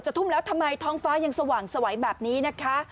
ทุ่มแล้วทำไมท้องฟ้ายังสว่างสวัยแบบนี้นะคะ